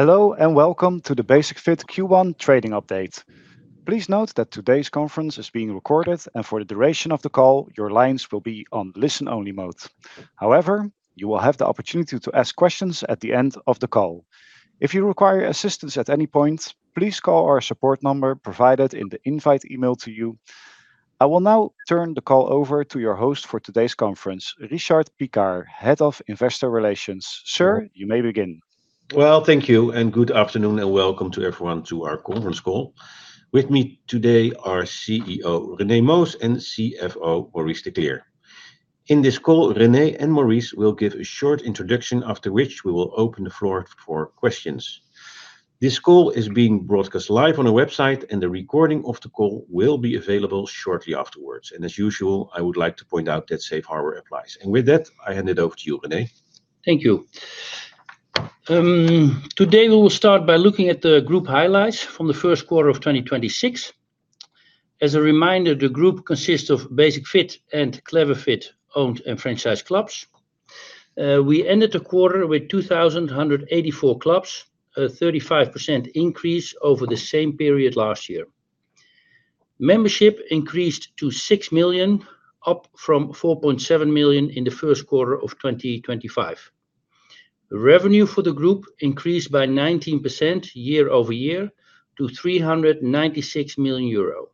Hello, and welcome to the Basic-Fit Q1 Trading Update. Please note that today's conference is being recorded, and for the duration of the call, your lines will be on listen-only mode. However, you will have the opportunity to ask questions at the end of the call. If you require assistance at any point, please call our support number provided in the invite email to you. I will now turn the call over to your host for today's conference, Richard Piekaar, Head of Investor Relations. Sir, you may begin. Well, thank you, and good afternoon, and welcome to everyone to our conference call. With me today are CEO René Moos and CFO Maurice de Kleer. In this call, René and Maurice will give a short introduction, after which we will open the floor for questions. This call is being broadcast live on our website, and the recording of the call will be available shortly afterwards. As usual, I would like to point out that safe harbor applies. With that, I hand it over to you, René. Thank you. Today, we will start by looking at the group highlights from the first quarter of 2026. As a reminder, the group consists of Basic-Fit and Clever Fit owned and franchise clubs. We ended the quarter with 2,184 clubs, a 35% increase over the same period last year. Membership increased to 6 million, up from 4.7 million in the first quarter of 2025. Revenue for the group increased by 19% year-over-year to 396 million euro.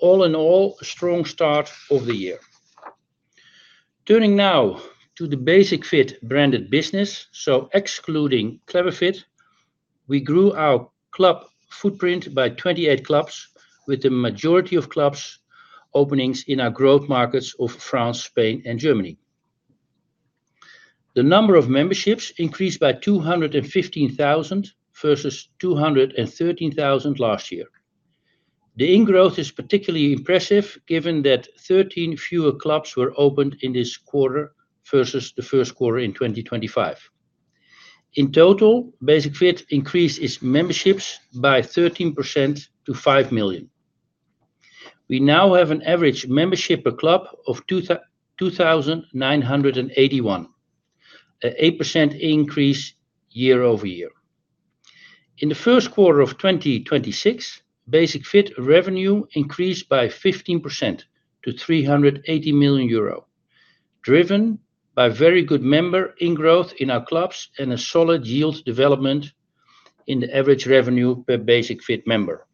All in all, a strong start of the year. Turning now to the Basic-Fit branded business, so excluding Clever Fit, we grew our club footprint by 28 clubs, with the majority of club openings in our growth markets of France, Spain and Germany. The number of memberships increased by 215,000 versus 213,000 last year. The ingrowth is particularly impressive given that 13 fewer clubs were opened in this quarter versus the first quarter in 2025. In total, Basic-Fit increased its memberships by 13% to 5 million. We now have an average membership per club of 2,981, an 8% increase year-over-year. In the first quarter of 2026, Basic-Fit revenue increased by 15% to 380 million euro, driven by very good member ingrowth in our clubs and a solid yield development in the average revenue per Basic-Fit member.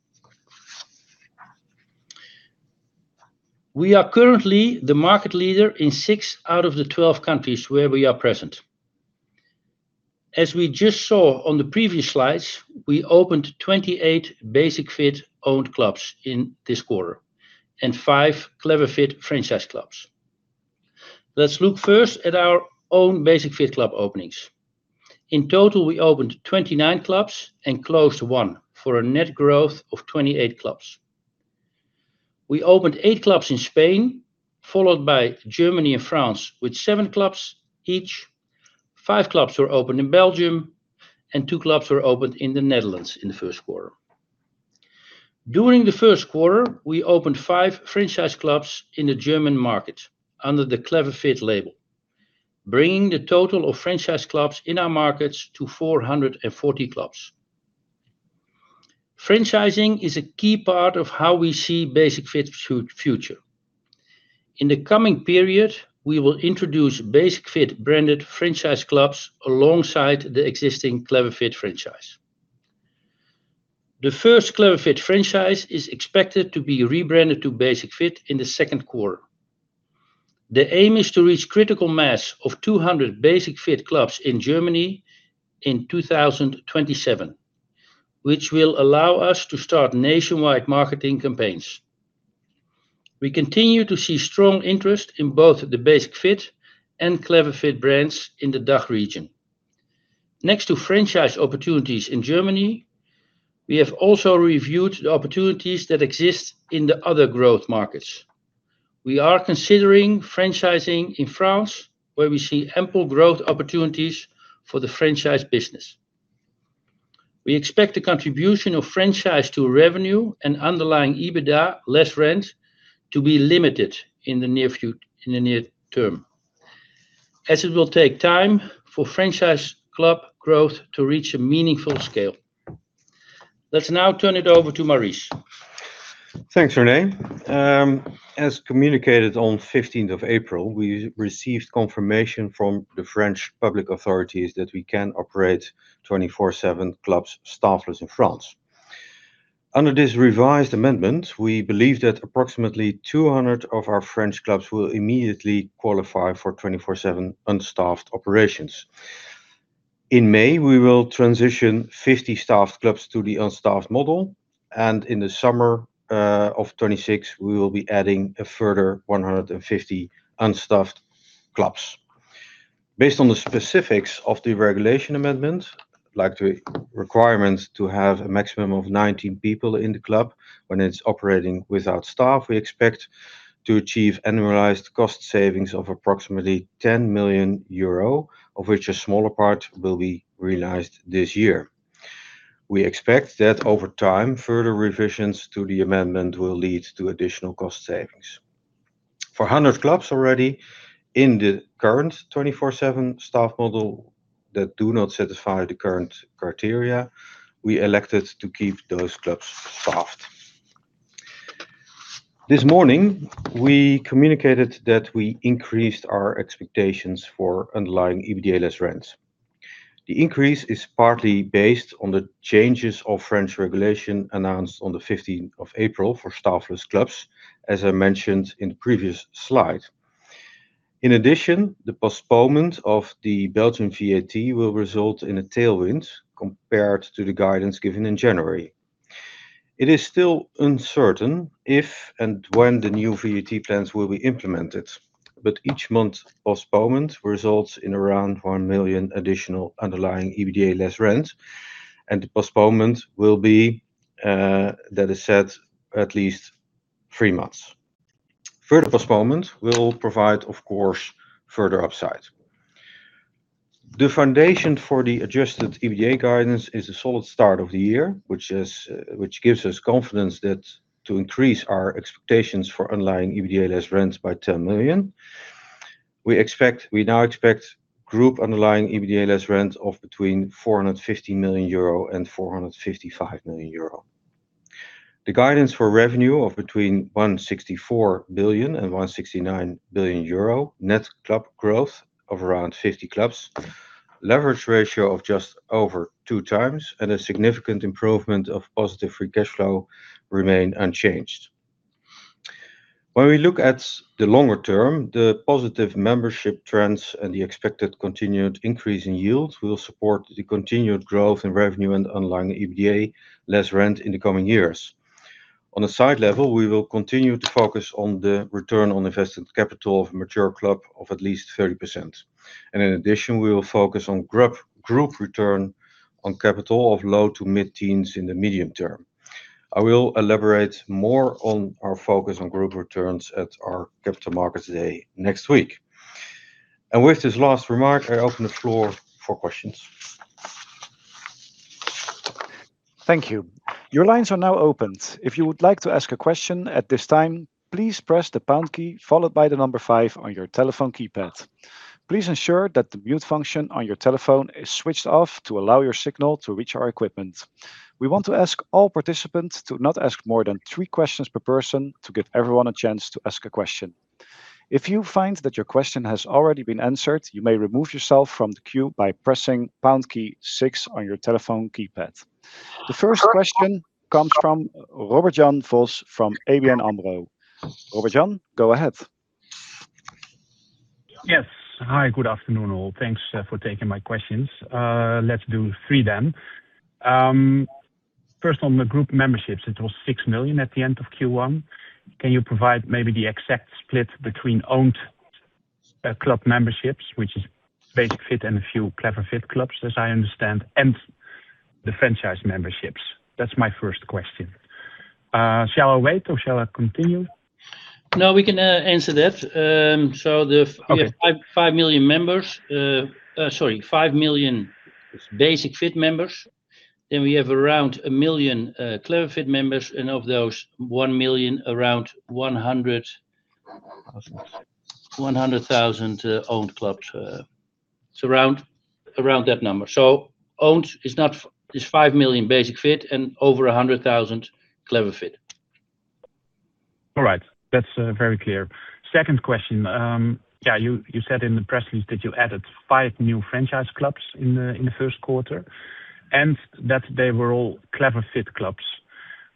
We are currently the market leader in six out of the 12 countries where we are present. As we just saw on the previous slides, we opened 28 Basic-Fit owned clubs in this quarter and five Clever Fit franchise clubs. Let's look first at our own Basic-Fit club openings. In total, we opened 29 clubs and closed one for a net growth of 28 clubs. We opened eight clubs in Spain, followed by Germany and France with seven clubs each. Five clubs were opened in Belgium and two clubs were opened in the Netherlands in the first quarter. During the first quarter, we opened five franchise clubs in the German market under the Clever Fit label, bringing the total of franchise clubs in our markets to 440 clubs. Franchising is a key part of how we see Basic-Fit's future. In the coming period, we will introduce Basic-Fit branded franchise clubs alongside the existing Clever Fit franchise. The first Clever Fit franchise is expected to be rebranded to Basic-Fit in the second quarter. The aim is to reach critical mass of 200 Basic-Fit clubs in Germany in 2027, which will allow us to start nationwide marketing campaigns. We continue to see strong interest in both the Basic-Fit and Clever Fit brands in the DACH region. Next to franchise opportunities in Germany, we have also reviewed the opportunities that exist in the other growth markets. We are considering franchising in France, where we see ample growth opportunities for the Franchise business. We expect the contribution of franchise to revenue and underlying EBITDA less rent to be limited in the near term, as it will take time for franchise club growth to reach a meaningful scale. Let's now turn it over to Maurice. Thanks, René. As communicated on April 15th, we received confirmation from the French public authorities that we can operate 24/7 clubs unstaffed in France. Under this revised amendment, we believe that approximately 200 of our French clubs will immediately qualify for 24/7 unstaffed operations. In May, we will transition 50 staffed clubs to the unstaffed model, and in the summer of 2026, we will be adding a further 150 unstaffed clubs. Based on the specifics of the regulation amendment, like the requirements to have a maximum of 19 people in the club when it's operating without staff, we expect to achieve annualized cost savings of approximately 10 million euro, of which a smaller part will be realized this year. We expect that over time, further revisions to the amendment will lead to additional cost savings. For 100 clubs already in the current 24/7 staff model that do not satisfy the current criteria, we elected to keep those clubs staffed. This morning, we communicated that we increased our expectations for underlying EBITDA less rents. The increase is partly based on the changes of French regulation announced on the April 15th for staffless clubs, as I mentioned in the previous slide. In addition, the postponement of the Belgian VAT will result in a tailwind compared to the guidance given in January. It is still uncertain if and when the new VAT plans will be implemented, but each month's postponement results in around 1 million additional underlying EBITDA less rent, and the postponement will be, that is to say, at least three months. Further postponement will provide, of course, further upside. The foundation for the adjusted EBITDA guidance is a solid start of the year, which gives us confidence to increase our expectations for underlying EBITDA less rents by 10 million. We now expect group underlying EBITDA less rent of between 450 million euro and 455 million euro. The guidance for revenue of between 164 billion and 169 billion euro, net club growth of around 50 clubs, leverage ratio of just over 2x, and a significant improvement of positive free cash flow remain unchanged. When we look at the longer term, the positive membership trends and the expected continued increase in yields will support the continued growth in revenue and underlying EBITDA less rent in the coming years. On a site level, we will continue to focus on the return on invested capital of mature clubs of at least 30%. In addition, we will focus on group return on capital of low to mid-teens in the medium term. I will elaborate more on our focus on group returns at our Capital Markets Day next week. With this last remark, I open the floor for questions. Thank you. Your lines are now opened. If you would like to ask a question at this time, please press the pound key followed by the number five on your telephone keypad. Please ensure that the mute function on your telephone is switched off to allow your signal to reach our equipment. We want to ask all participants to not ask more than three questions per person to give everyone a chance to ask a question. If you find that your question has already been answered, you may remove yourself from the queue by pressing pound key six on your telephone keypad. The first question comes from Robert Jan Vos from ABN AMRO. Robert Jan, go ahead. Yes. Hi, good afternoon all. Thanks for taking my questions. Let's do three then. First on the group memberships, it was 6 million at the end of Q1. Can you provide maybe the exact split between owned club memberships, which is Basic-Fit and a few Clever Fit clubs, as I understand, and the franchise memberships? That's my first question. Shall I wait or shall I continue? No, we can answer that. Okay. We have 5 million Basic-Fit members. We have around 1 million Clever Fit members, and of those 1 million, around 100,000 owned clubs. It's around that number. Owned is 5 million Basic-Fit and over 100,000 Clever Fit. All right. That's very clear. Second question. You said in the press release that you added five new franchise clubs in the first quarter and that they were all Clever Fit clubs.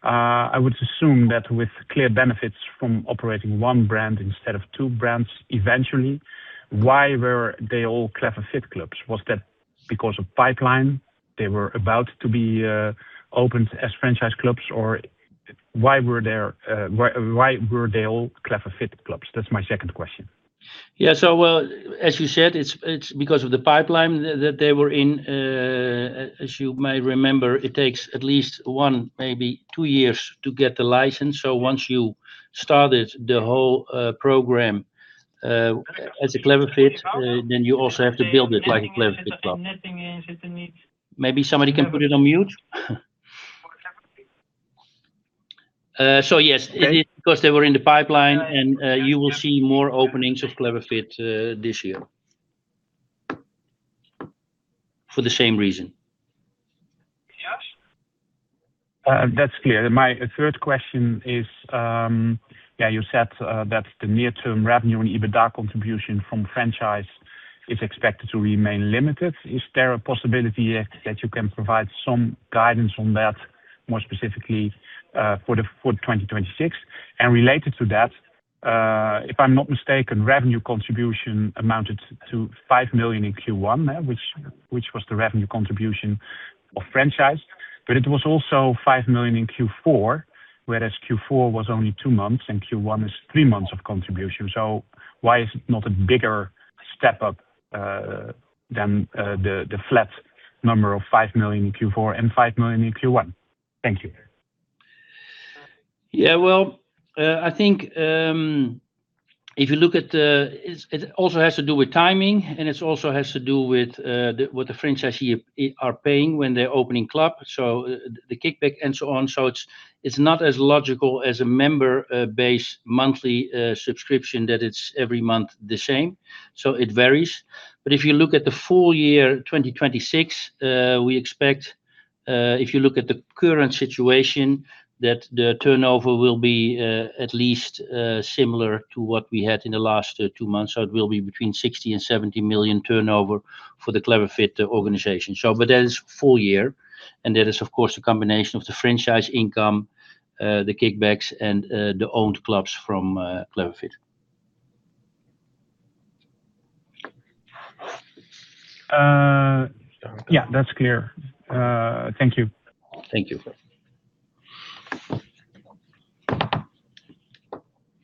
I would assume that with clear benefits from operating one brand instead of two brands eventually, why were they all Clever Fit clubs? Was that because of pipeline, they were about to be opened as franchise clubs? Or why were they all Clever Fit clubs? That's my second question. Yeah. As you said, it's because of the pipeline that they were in. As you may remember, it takes at least one, maybe two years to get the license. Once you started the whole program as a Clever Fit, then you also have to build it like a Clever Fit club. Maybe somebody can put it on mute? Yes. Because they were in the pipeline and you will see more openings of Clever Fit this year for the same reason. Yes. That's clear. My third question is, you said that the near term revenue and EBITDA contribution from franchise is expected to remain limited. Is there a possibility that you can provide some guidance on that more specifically for 2026? Related to that, if I'm not mistaken, revenue contribution amounted to 5 million in Q1, which was the revenue contribution of franchise. It was also 5 million in Q4, whereas Q4 was only two months and Q1 is three months of contribution. Why is it not a bigger step up than the flat number of 5 million in Q4 and 5 million in Q1? Thank you. Well, I think it also has to do with timing, and it also has to do with what the franchisee are paying when they're opening club. The kickback and so on. It's It's not as logical as a member base monthly subscription that it's every month the same. It varies. If you look at the full year 2026, we expect, if you look at the current situation, that the turnover will be at least similar to what we had in the last two months. It will be between 60 million and 70 million turnover for the Clever Fit organization. That is full year, and that is of course a combination of the franchise income, the kickbacks, and the owned clubs from Clever Fit. Yeah. That's clear. Thank you. Thank you.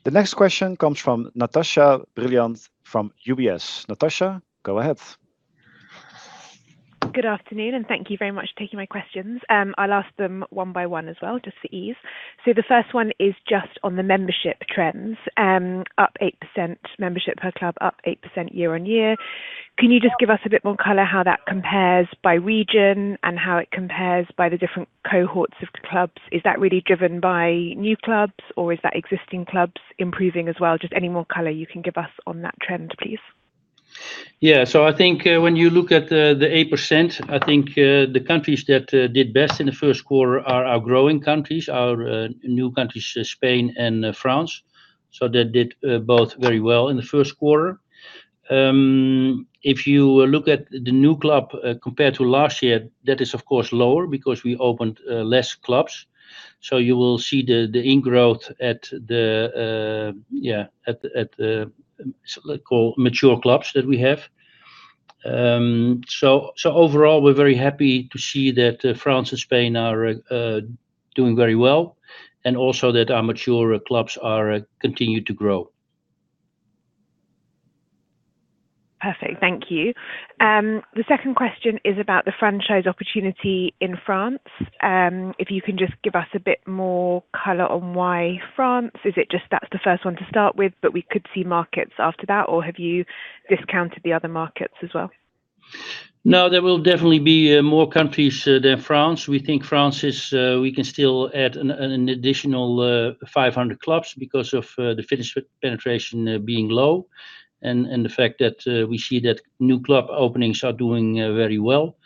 The next question comes from Natasha Brilliant from UBS. Natasha, go ahead. Good afternoon and thank you very much for taking my questions. I'll ask them one-by-one as well, just for ease. The first one is just on the membership trends. Up 8% membership per club, up 8% year-over-year. Can you just give us a bit more color how that compares by region and how it compares by the different cohorts of clubs? Is that really driven by new clubs or is that existing clubs improving as well? Just any more color you can give us on that trend, please. Yeah, I think when you look at the 8%, I think the countries that did best in the first quarter are our growing countries, our new countries, Spain and France. They did both very well in the first quarter. If you look at the new club compared to last year, that is of course lower because we opened less clubs. You will see the ingrowth at the mature clubs that we have. Overall, we're very happy to see that France and Spain are doing very well and also that our mature clubs continue to grow. Perfect. Thank you. The second question is about the franchise opportunity in France. If you can just give us a bit more color on why France? Is it just that's the first one to start with, but we could see markets after that? Or have you discounted the other markets as well? No, there will definitely be more countries than France. We think we can still add an additional 500 clubs because of the fitness penetration being low and the fact that we see that new club openings are doing very well.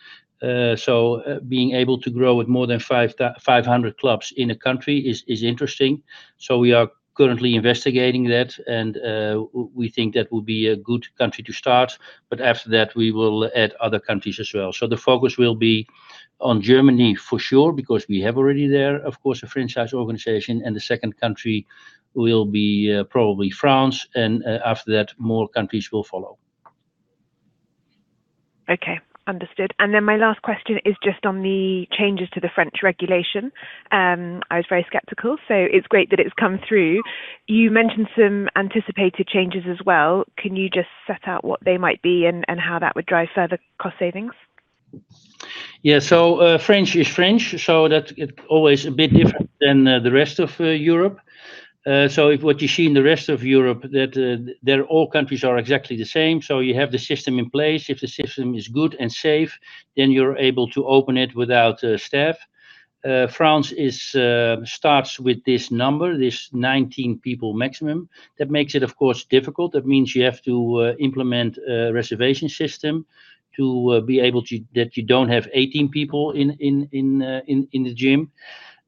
Being able to grow with more than 500 clubs in a country is interesting. We are currently investigating that and we think that will be a good country to start, but after that we will add other countries as well. The focus will be on Germany for sure, because we have already there, of course, a franchise organization and the second country will be probably France, and after that more countries will follow. Okay, understood. My last question is just on the changes to the French regulation. I was very skeptical, so it's great that it's come through. You mentioned some anticipated changes as well. Can you just set out what they might be and how that would drive further cost savings? Yeah. French is French, so that's always a bit different than the rest of Europe. If what you see in the rest of Europe is that all countries are exactly the same. You have the system in place. If the system is good and safe, then you're able to open it without staff. France starts with this number, this 19 people maximum. That makes it of course difficult. That means you have to implement a reservation system to be able to, that you don't have 18 people in the gym.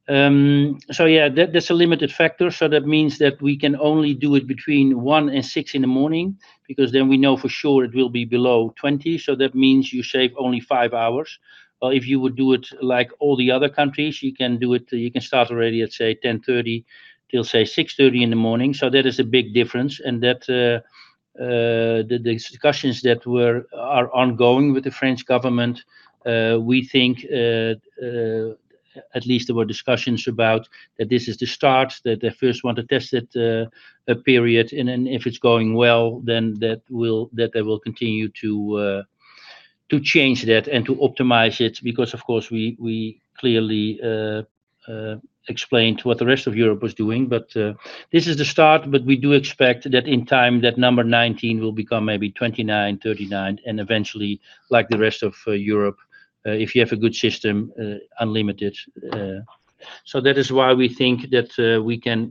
Yeah, that's a limiting factor. That means that we can only do it between 1:00 A.M. and 6:00 A.M. because then we know for sure it will be below 20. That means you save only five hours. If you would do it like all the other countries, you can start already at, say, 10:30 P.M. till say 6:30 A.M. That is a big difference. That the discussions that are ongoing with the French government, we think at least there were discussions about that this is the start, that they first want to test it a period and then if it's going well, then that they will continue to change that and to optimize it because of course, we clearly explained what the rest of Europe was doing. This is the start. We do expect that in time that number 19 will become maybe 29, 39, and eventually, like the rest of Europe, if you have a good system, unlimited. That is why we think that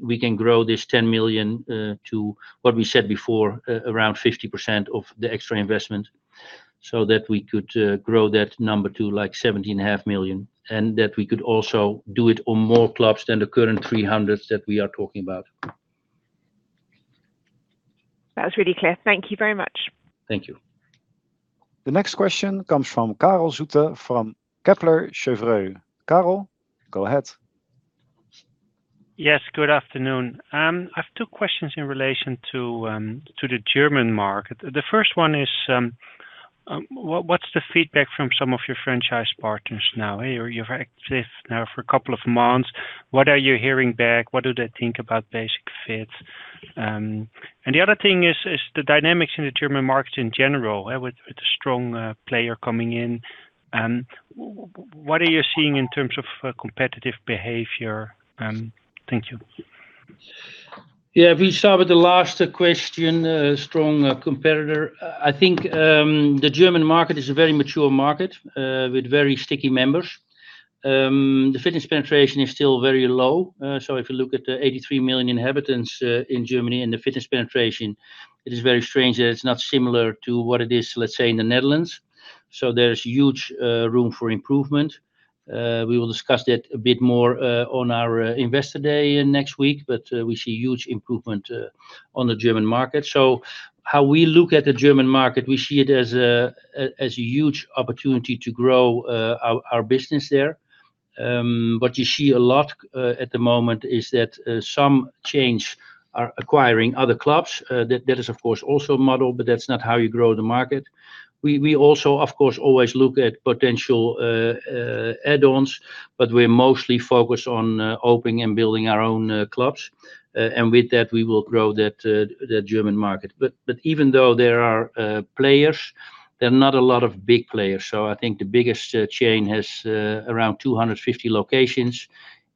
we can grow this 10 million to what we said before, around 50% of the extra investment so that we could grow that number to like 17.5 million and that we could also do it on more clubs than the current 300 that we are talking about. That was really clear. Thank you very much. Thank you. The next question comes from Karel Zoete from Kepler Cheuvreux. Karel, go ahead. Yes, good afternoon. I have two questions in relation to the German market. The first one is, what's the feedback from some of your franchise partners now? You're active now for a couple of months. What are you hearing back? What do they think about Basic-Fit? The other thing is the dynamics in the German market in general, with a strong player coming in. What are you seeing in terms of competitive behavior? Thank you. Yeah. If we start with the last question, strong competitor. I think the German market is a very mature market with very sticky members. The fitness penetration is still very low. If you look at the 83 million inhabitants in Germany and the fitness penetration, it is very strange that it's not similar to what it is, let's say, in the Netherlands. There's huge room for improvement. We will discuss that a bit more on our Investor Day next week. We see huge improvement on the German market. How we look at the German market, we see it as a huge opportunity to grow our business there. What you see a lot at the moment is that some chains are acquiring other clubs. That is, of course, also a model, but that's not how you grow the market. We also, of course, always look at potential add-ons, but we're mostly focused on opening and building our own clubs. With that, we will grow the German market. Even though there are players, there are not a lot of big players. I think the biggest chain has around 250 locations.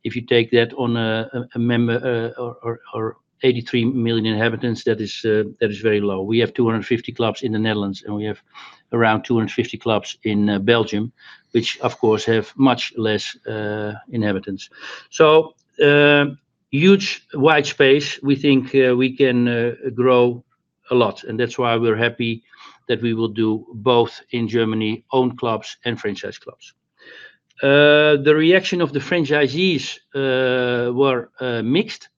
If you take that on a member or 83 million inhabitants, that is very low. We have 250 clubs in the Netherlands, and we have around 250 clubs in Belgium, which, of course, have much less inhabitants. Huge wide space. We think we can grow a lot, and that's why we're happy that we will do both in Germany, owned clubs and franchise clubs. The reaction of the franchisees were mixed.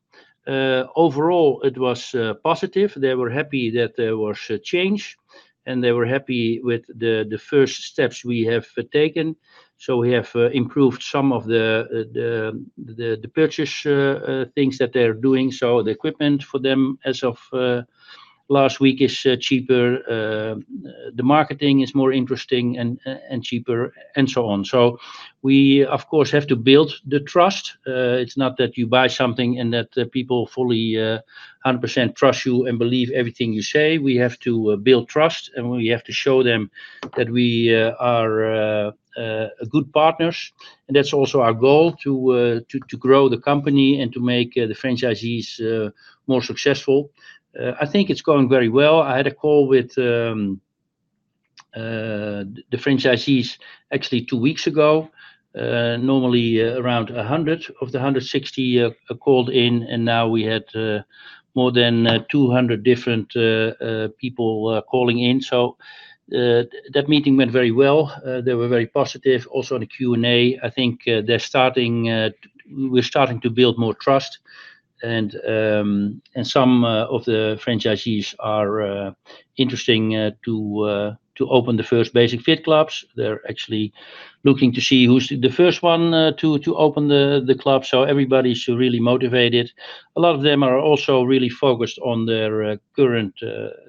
Overall it was positive. They were happy that there was a change, and they were happy with the first steps we have taken. We have improved some of the purchase things that they're doing. The equipment for them as of last week is cheaper. The marketing is more interesting and cheaper and so on. We, of course, have to build the trust. It's not that you buy something and that people fully 100% trust you and believe everything you say. We have to build trust, and we have to show them that we are good partners, and that's also our goal, to grow the company and to make the franchisees more successful. I think it's going very well. I had a call with the franchisees actually two weeks ago. Normally around 100 of the 160 called in, and now we had more than 200 different people calling in. That meeting went very well. They were very positive also in the Q&A. I think we're starting to build more trust and some of the franchisees are interesting to open the first Basic-Fit clubs. They're actually looking to see who's the first one to open the club. Everybody's really motivated. A lot of them are also really focused on their current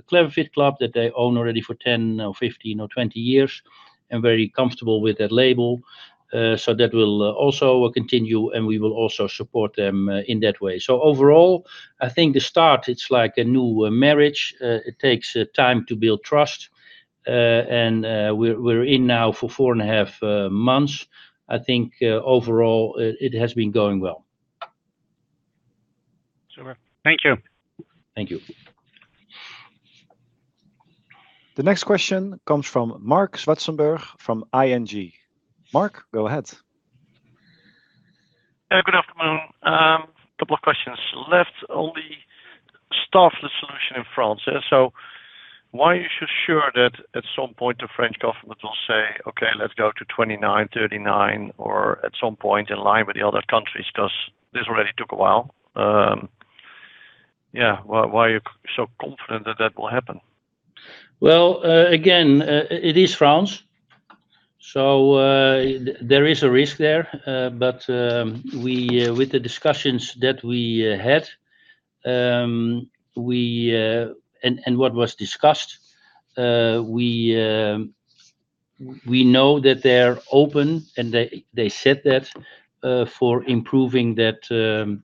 Clever Fit club that they own already for 10 or 15 or 20 years, and very comfortable with that label. That will also continue, and we will also support them in that way. Overall, I think the start, it's like a new marriage. It takes time to build trust. We're in now for 4.5 months. I think overall it has been going well. Super. Thank you. Thank you. The next question comes from Marc Zwartsenburg from ING. Mark, go ahead. Good afternoon. Couple of questions. We're left with only a staffed solution in France. Why are you so sure that at some point the French government will say, "Okay, let's go to 29, 39," or at some point in line with the other countries, because this already took a while. Yeah, why are you so confident that that will happen? Well, again, it is France, so there is a risk there. With the discussions that we had, and what was discussed, we know that they're open and they said that for improving that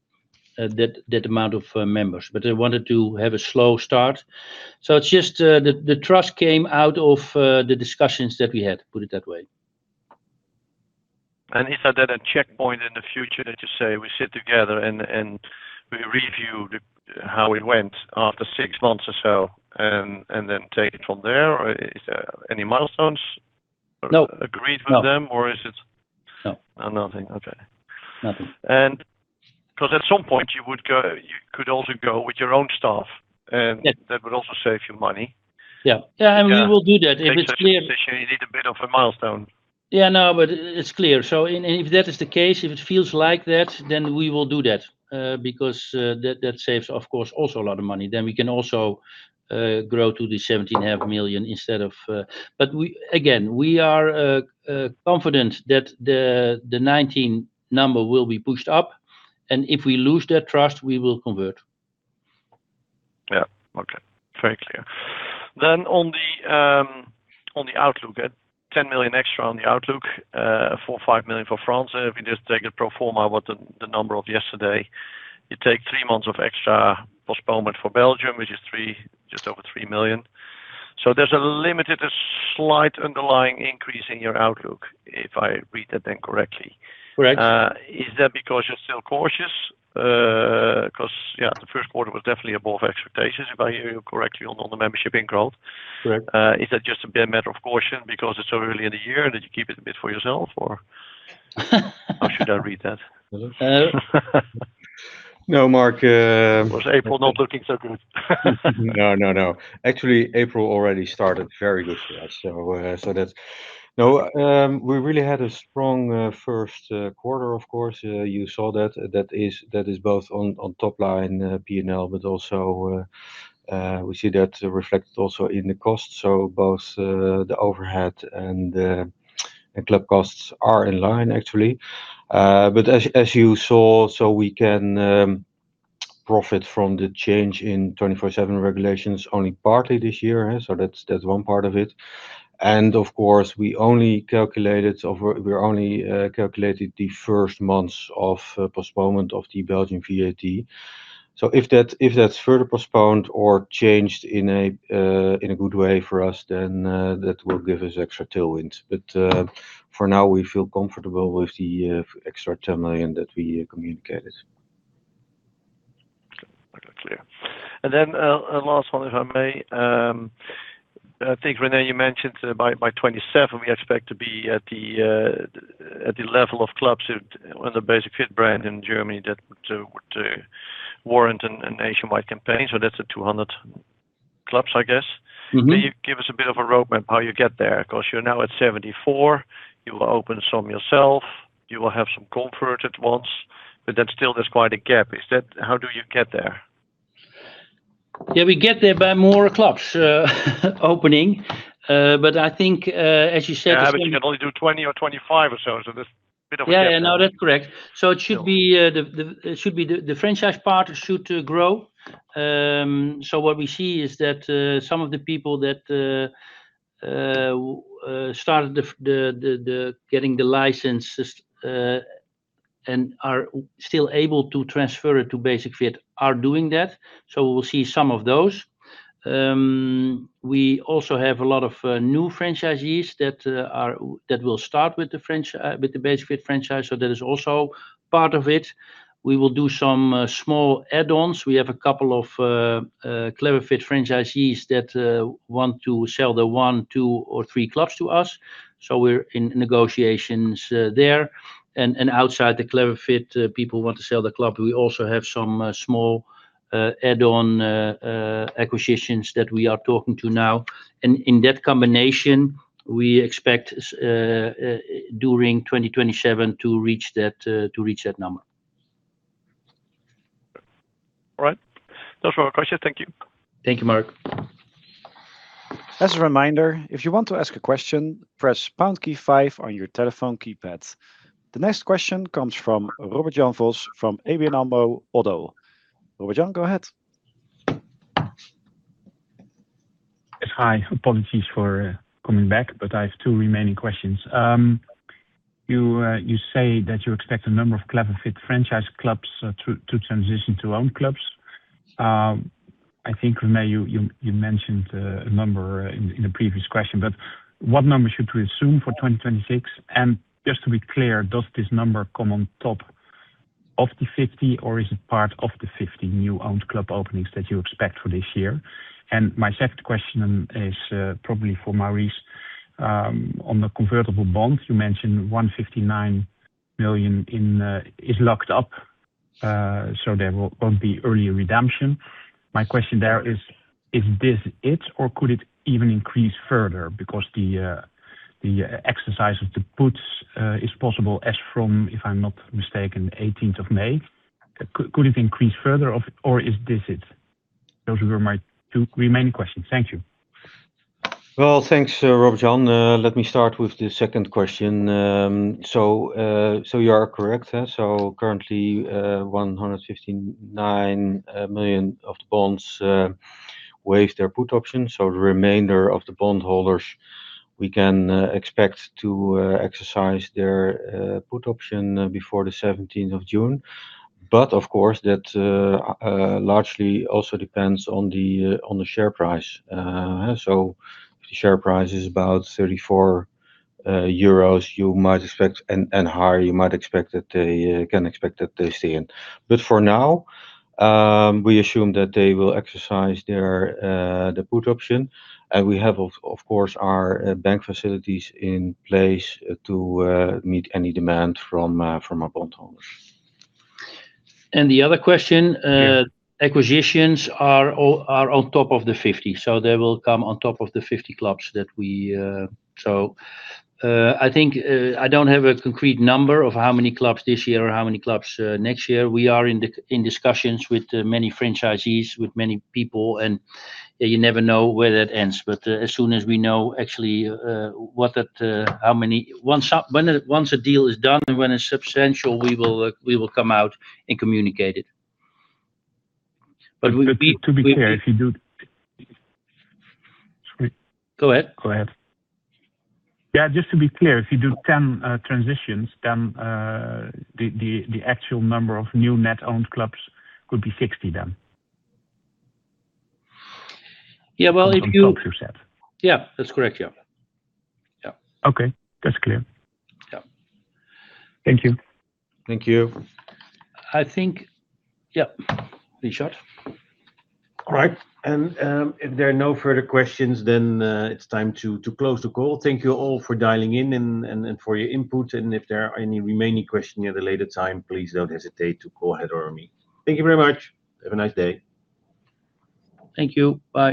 amount of members, but they wanted to have a slow start. It's just the trust came out of the discussions that we had, put it that way. Is that at a checkpoint in the future that you say we sit together and we review how it went after six months or so and then take it from there? Or is there any milestones? No Agreed with them, or is it? No. Nothing. Okay. Nothing. Because at some point you could also go with your own staff and Yeah That would also save you money- Yeah. We will do that if it's clear. ...take such a [decision], you need a bit of a milestone. Yeah. No, but it's clear. If that is the case, if it feels like that, then we will do that. Because that saves, of course, also a lot of money. We can also grow to the 17.5 million instead of. Again, we are confident that the 19 number will be pushed up, and if we lose that trust, we will convert. Yeah. Okay. Very clear. On the outlook, at 10 million extra on the outlook, 4 million or 5 million for France. If you just take it pro forma, what the number of yesterday, you take three months of extra postponement for Belgium, which is just over 3 million. There's a limited slight underlying increase in your outlook, if I read that then correctly. Correct. Is that because you're still cautious? Yeah, the first quarter was definitely above expectations, if I hear you correctly on the membership and growth- Correct. ...is that just a matter of caution because it's so early in the year that you keep it a bit for yourself, or how should I read that? No, Marc. Was April not looking so good? No, no. Actually, April already started very good for us. No, we really had a strong first quarter, of course, you saw that. That is both on top line P&L, but also we see that reflected also in the cost. Both the overhead and the club costs are in line, actually. As you saw, so we can profit from the change in 24/7 regulations only partly this year. That's one part of it. Of course, we only calculated the first months of postponement of the Belgian VAT. If that's further postponed or changed in a good way for us, then that will give us extra tailwind. For now, we feel comfortable with the extra 10 million that we communicated. Okay, clear. A last one, if I may. I think, René, you mentioned by 2027, we expect to be at the level of clubs with the Basic-Fit brand in Germany that would warrant a nationwide campaign. That's at 200 clubs, I guess? Mm-hmm. Can you give us a bit of a roadmap how you get there? Because you're now at 74. You will open some yourself. You will have some converted ones, but then still there's quite a gap. How do you get there? Yeah, we get there by more clubs opening. I think, as you said- Yeah, you can only do 20 or 25 or so there's a bit of a gap there. Yeah. No, that's correct. The franchise part should grow. What we see is that some of the people that started getting the licenses and are still able to transfer it to Basic-Fit are doing that. We'll see some of those. We also have a lot of new franchisees that will start with the Basic-Fit franchise, so that is also part of it. We will do some small add-ons. We have a couple of Clever Fit franchisees that want to sell the one, two, or three clubs to us, so we're in negotiations there. Outside the Clever Fit, people want to sell the club. We also have some small add-on acquisitions that we are talking to now. In that combination, we expect, during 2027, to reach that number. All right. That's all my questions. Thank you. Thank you, Marc. As a reminder, if you want to ask a question, press pound key five on your telephone keypad. The next question comes from Robert Jan Vos from ABN AMRO [Otto]. Robert Jan, go ahead. Yes. Hi. Apologies for coming back, but I have two remaining questions. You say that you expect a number of Clever Fit franchise clubs to transition to owned clubs. I think, René, you mentioned a number in a previous question, but what number should we assume for 2026? Just to be clear, does this number come on top of the 50, or is it part of the 50 new owned club openings that you expect for this year? My second question is probably for Maurice. On the convertible bond, you mentioned 159 million is locked up so there won't be early redemption. My question there is this it, or could it even increase further? Because the exercise of the puts is possible as from, if I'm not mistaken, May 18th. Could it increase further or is this it? Those were my two remaining questions. Thank you. Well, thanks, Robert Jan. Let me start with the second question. You are correct. Currently, 159 million of the bonds waive their put option. The remainder of the bondholders, we can expect to exercise their put option before the June 17th. Of course, that largely also depends on the share price. If the share price is about 34 euros and higher, you can expect that they stay in. For now, we assume that they will exercise the put option, and we have, of course, our bank facilities in place to meet any demand from our bondholders. The other question. Yeah. Acquisitions are on top of the 50. They will come on top of the 50 clubs. I think I don't have a concrete number of how many clubs this year or how many clubs next year. We are in discussions with many franchisees, with many people, and you never know where that ends. As soon as we know actually, once a deal is done and when it's substantial, we will come out and communicate it. We- To be clear, if you do- Go ahead. Yeah, just to be clear, if you do 10 transitions, then the actual number of new net owned clubs could be 60 then? Yeah. Well, if you- From clubs you said. Yeah, that's correct. Yeah. Okay, that's clear. Yeah. Thank you. Thank you. Yep. Richard. All right. If there are no further questions, then it's time to close the call. Thank you all for dialing in and for your input. If there are any remaining questions at a later time, please don't hesitate to call Heather or me. Thank you very much. Have a nice day. Thank you. Bye